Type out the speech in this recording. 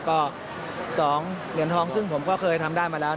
ก็๒เหรียญทองซึ่งผมก็เคยทำได้มาแล้ว